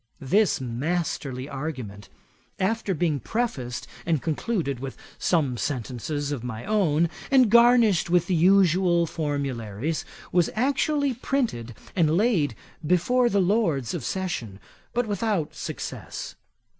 This masterly argument, after being prefaced and concluded with some sentences of my own, and garnished with the usual formularies, was actually printed and laid before the Lords of Session, but without success.